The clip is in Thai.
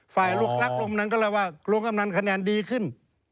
ฝ่ายรักลุงกำนันก็เลยว่าลุงกำนันคะแนนดีขึ้น